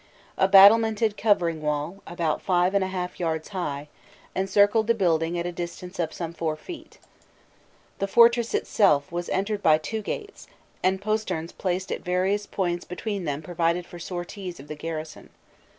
A battlemented covering wall, about five and a half yards high, encircled the building at a distance of some four feet. The fortress itself was entered by two gates, and posterns placed at various points between them provided for sorties of the garrison.